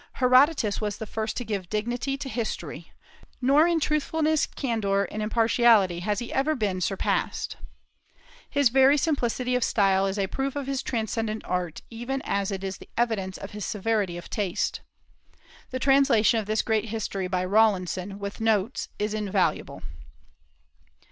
Herodotus was the first to give dignity to history; nor in truthfulness, candor, and impartiality has he ever been surpassed. His very simplicity of style is a proof of his transcendent art, even as it is the evidence of his severity of taste. The translation of this great history by Rawlinson, with notes, is invaluable.